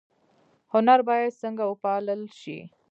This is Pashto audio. هنر باید څنګه وپال ل شي؟